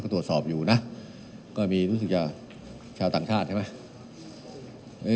ตรวจสอบอยู่นะก็มีรู้สึกจะชาวต่างชาติใช่ไหม